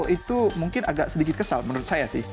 yang peringkat kedua mungkin agak sedikit kesal menurut saya sih